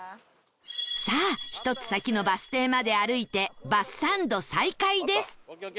さあ１つ先のバス停まで歩いてバスサンド再開です